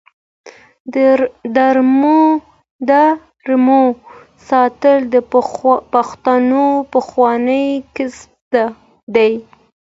د رمو ساتل د پښتنو پخوانی کسب دی.